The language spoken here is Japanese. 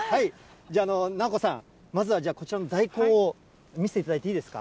じゃあ、直子さん、まずはじゃあ、こちらの大根を見せていただいていいですか。